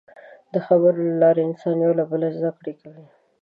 د خبرو له لارې انسانان یو له بله زدهکړه کوي.